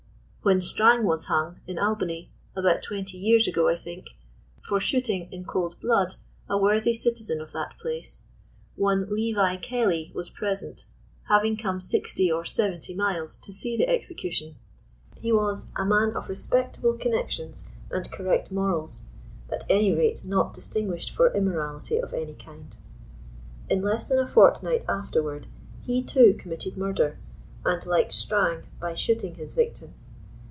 When Strang was hung, in Albany, (about twenty years ago, I think,) for shooting in cold blood a worthy citizen of that place, one Levi Kelly was present, having come sixty or seventy miles to see the exe cution. He was " a man of respectable connections, and correc t 76 morals, at any rate not distinguished for immorality of any kind.'^ In less than a fortnight afterward, he too committed murder, and, like Strang, by shooting his victim.